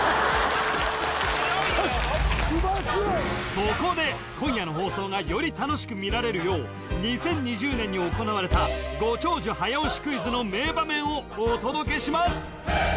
そこで今夜の放送がより楽しく見られるよう２０２０年に行われたご長寿早押しクイズの名場面をお届けします